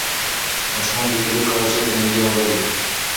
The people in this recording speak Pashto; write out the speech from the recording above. ماشومان د پولیو کراچۍ ته نږدې ولاړ وو.